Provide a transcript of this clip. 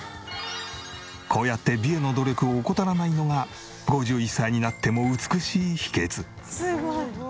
こうやって美への努力を怠らないのが５１歳になっても美しい秘訣。